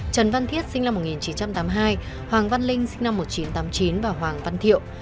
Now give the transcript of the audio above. trần văn thiết sinh năm một nghìn chín trăm tám mươi hai hoàng văn linh sinh năm một nghìn chín trăm tám mươi chín và hoàng văn thiệu